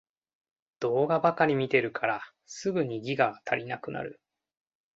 動画ばかり見てるからすぐにギガが足りなくなる